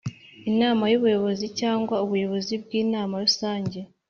Inama y Ubuyobozi cyangwa ubuyobozi bwinama rusange